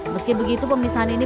meski begitu pemisahan ini